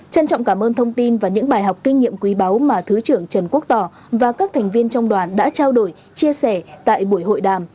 trân trọng cảm ơn thông tin và những bài học kinh nghiệm quý báu mà thứ trưởng trần quốc tỏ và các thành viên trong đoàn đã trao đổi chia sẻ tại buổi hội đàm